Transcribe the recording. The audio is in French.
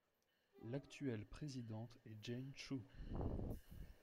L'actuelle présidente est Jane Chu.